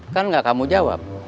kan gak kamu jawab